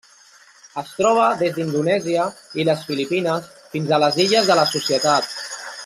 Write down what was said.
Es troba des d'Indonèsia i les Filipines fins a les Illes de la Societat.